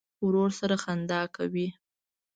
ورور سره خندا کوې.